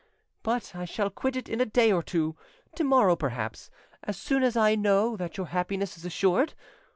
But I shall quit it in a day or two, to morrow perhaps—as soon as I know that your happiness is assured.